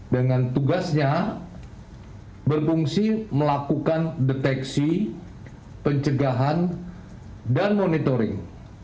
dengan tugasnya berfungsi melakukan deteksi pencegahan dan monitoring